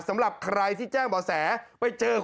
สำหรับใครที่แจ้งบ่าแส